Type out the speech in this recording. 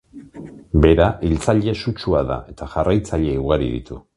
Bera hiltzaile sutsua da eta jarraitzaile ugari ditu.